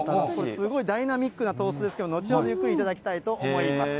すごいダイナミックなトーストですけど、後ほどゆっくり頂きたいと思います。